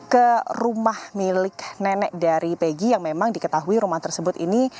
ke rumah milik nenek dari pegi yang memang diketahui rumah tersebut ini